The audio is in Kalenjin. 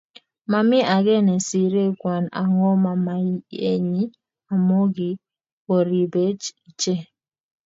Mami age nesire Kwan ago mamaenyi amugigoribech iche